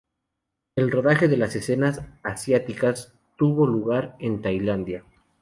El rodaje de las escenas asiáticas tuvo lugar en Tailandia.